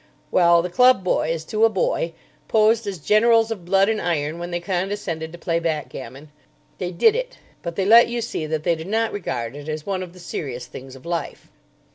Well, the club boys, to a boy, posed as generals of blood and iron when they condescended to play backgammon. They did it, but they let you see that they did not regard it as one of the serious things of life.